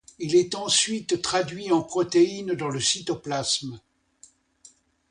Il est ensuite traduit en protéine dans le cytoplasme.